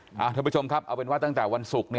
คุณผู้ชมครับเอาเป็นว่าตั้งแต่วันศุกร์